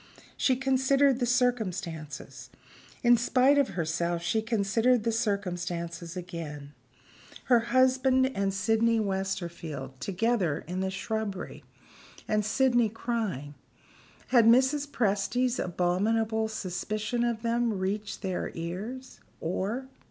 She considered the circumstances. In spite of herself, she considered the circumstances again. Her husband and Sydney Westerfield together in the shrubbery and Sydney crying. Had Mrs. Presty's abominable suspicion of them reached their ears? or?